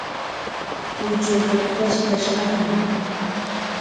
Punchuuqa ratrikashqañam.